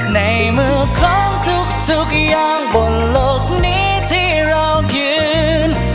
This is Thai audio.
ในมือของทุกอย่างบนโลกนี้ที่เรายืน